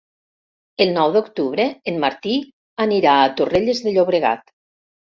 El nou d'octubre en Martí anirà a Torrelles de Llobregat.